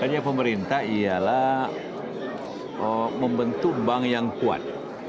tujuannya pemerintah ialah membentuk bank yang kuat